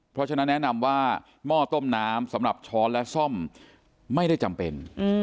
เพราะฉะนั้นแนะนำว่าหม้อต้มน้ำสำหรับช้อนและซ่อมไม่ได้จำเป็น